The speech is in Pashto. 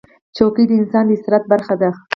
چوکۍ د انسان د استراحت برخه ده.